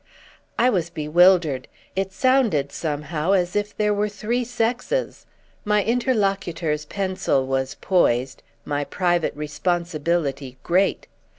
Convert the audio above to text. I was bewildered: it sounded somehow as if there were three sexes. My interlocutor's pencil was poised, my private responsibility great.